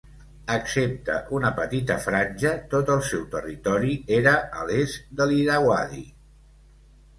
Excepte una petita franja tot el seu territori era a l'est de l'Irauadi.